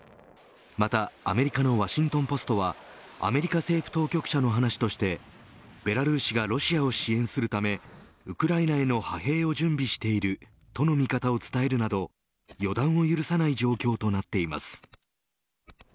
またアメリカのワシントン・ポストはアメリカ政府当局者の話としてベラルーシがロシアを支援するためウクライナへの派兵を準備しているとの見方を伝えるなど予断を許さない状況となっています。